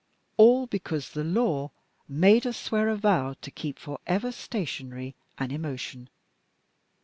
All because the law made us swear a vow to keep for ever stationary an emotion!